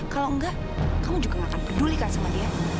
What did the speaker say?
kalau enggak kamu juga gak akan peduli kan sama dia